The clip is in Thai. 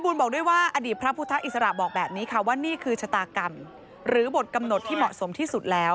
บอกด้วยว่าอดีตพระพุทธอิสระบอกแบบนี้ค่ะว่านี่คือชะตากรรมหรือบทกำหนดที่เหมาะสมที่สุดแล้ว